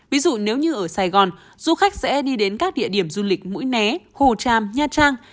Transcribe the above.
ví dụ nếu như ở sài gòn du khách sẽ đi đến các địa điểm du lịch mũi né hồ tràm nha trang